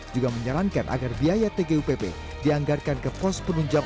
juga menyarankan agar biaya tgupp dianggarkan ke pos penunjang